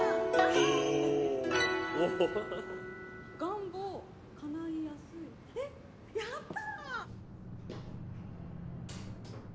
願望叶いやすいえやった！